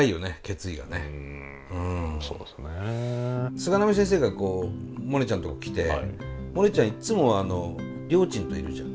菅波先生がこうモネちゃんとこ来てモネちゃんいっつもりょーちんといるじゃん。